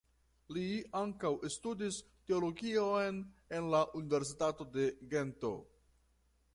Li ankaŭ studis teologion en la Universitato de Gento.